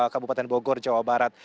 kabupaten bogor jawa barat